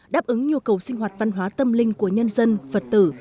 đáp ứng nhu cầu sinh hoạt văn hóa tâm linh của nhân dân phật tử